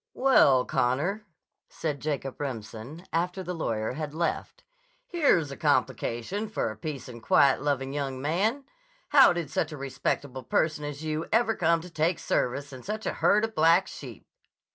"Well, Connor," said Jacob Remsen after the lawyer had left, "here's a complication for a peace and quiet loving young man! How did such a respectable person as you ever come to take service in such a herd of black sheep?"